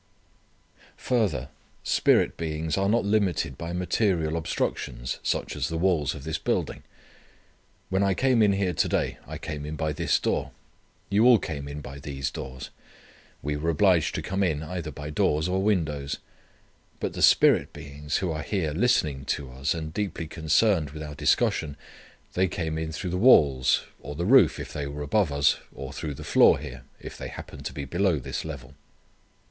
Further, spirit beings are not limited by material obstructions such as the walls of this building. When I came in here to day I came in by this door. You all came in by these doors. We were obliged to come in either by doors or windows. But the spirit beings who are here listening to us, and deeply concerned with our discussion did not bother with the doors. They came in through the walls, or the roof, if they were above us, or through the floor here, if they happened to be below this level.